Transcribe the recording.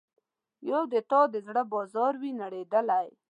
یو د تا د زړه بازار وي نړیدلی